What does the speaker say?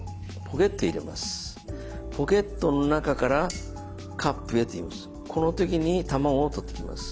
「ポケットの中からカップへ」と言います。